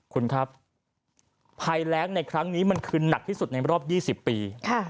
คุณครับภัยแรงในครั้งนี้มันคือหนักที่สุดในรอบ๒๐ปี